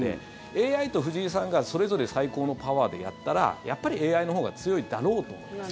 ＡＩと藤井さんがそれぞれ最高のパワーでやったらやっぱりＡＩのほうが強いだろうと思います。